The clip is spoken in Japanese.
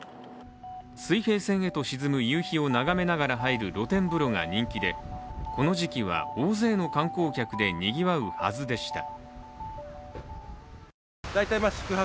水平線へと沈む夕日を眺めながら入る露天風呂が人気でこの時期は大勢の観光客でにぎわうはずでした。